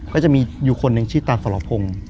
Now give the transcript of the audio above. ก็จะมีอยู่คนหนึ่งชื่อตาสรพงศ์